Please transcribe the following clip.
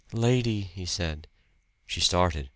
"Lady," he said. She started.